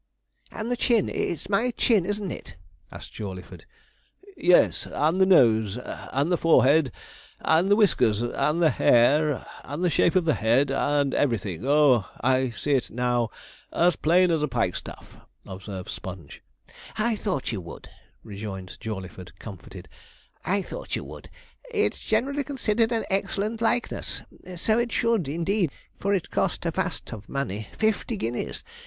'And the chin. It's my chin, isn't it?' asked Jawleyford. 'Yes; and the nose, and the forehead, and the whiskers, and the hair, and the shape of the head, and everything. Oh! I see it now as plain as a pikestaff,' observed Sponge. 'I thought you would,' rejoined Jawleyford comforted 'I thought you would; it's generally considered an excellent likeness so it should, indeed, for it cost a vast of money fifty guineas!